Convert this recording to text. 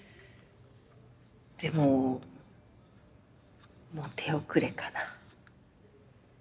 でももう手遅れかな。